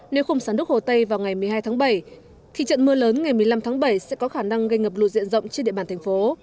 nếu không xả nước hồ tây vào ngày một mươi hai tháng bảy thì trận mưa lớn ngày một mươi năm tháng bảy sẽ có khả năng gây ngập lụt diện rộng trên địa bàn thành phố